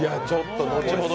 後ほど